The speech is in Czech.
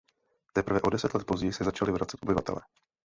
Teprve o deset let později se začali vracet obyvatelé.